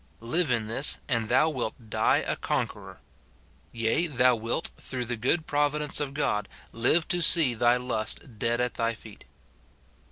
Live in this, and thou wilt die a conqueror ; yea, thou wilt, through the good providence of God, live to see thy lust dead at thy feet.